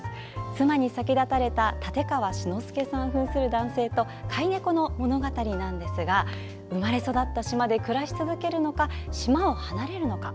妻に先立たれた立川志の輔さん扮する男性と飼い猫の物語なんですが生まれ育った島で暮らし続けるのか島を離れるのか。